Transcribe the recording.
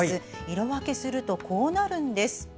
色分けするとこうなります。